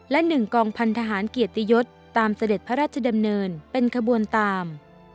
และ๑กองพันธหารเกียรติยศตามเสด็จพระราชดำเนินเป็นขบวนตาม